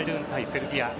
セルビア。